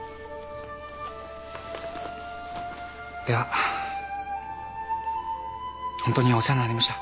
ではホントにお世話になりました。